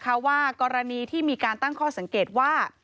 เพราะว่ากรณีที่มีการตั้งข้อสังเกตว่า